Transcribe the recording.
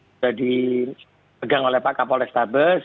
sudah dipegang oleh pak kapolres tabes